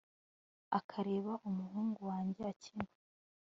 akareba umuhungu wanjye akina